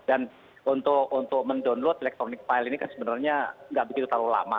dan untuk mendownload elektronik file ini kan sebenarnya tidak begitu lama